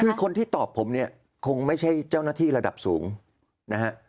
คือคนที่ตอบผมเนี่ยคงไม่ใช่เจ้าหน้าที่ระดับสูงนะฮะ